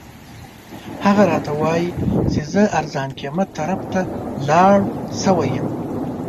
هغه راته وایي چې زه ارزان قیمت طرف ته لاړ شوی یم.